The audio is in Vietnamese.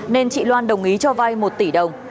nên chị loan đồng ý cho vay một tỷ đồng